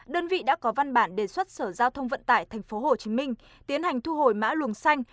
đơn vị đã có văn bản đề xuất sở giao thông vận tải tp hcm tiến hành thu hồi mã luồng xanh